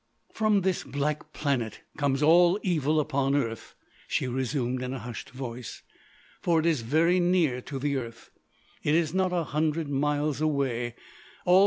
"From this black planet comes all evil upon earth," she resumed in a hushed voice. "For it is very near to the earth. It is not a hundred miles away.